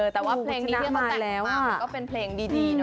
แต่ว่าเพลงนี้ก็เป็นเพลงดี